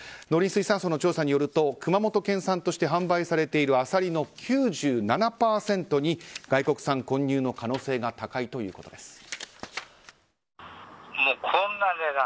農林水産省の調査によると熊本県産として販売されているアサリの９７％に外国産混入の可能性が高いということです。